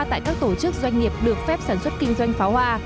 tại các tổ chức doanh nghiệp được phép sản xuất kinh doanh pháo hoa